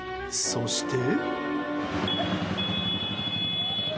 そして。